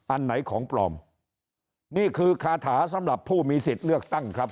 อันไหนของปลอมนี่คือคาถาสำหรับผู้มีสิทธิ์เลือกตั้งครับ